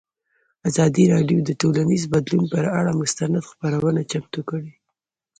ازادي راډیو د ټولنیز بدلون پر اړه مستند خپرونه چمتو کړې.